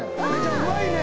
うまいね。